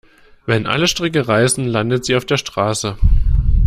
Wenn alle Stricke reißen, landet sie auf der Straße.